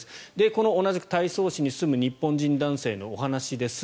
この同じ太倉市に住む日本人男性のお話です。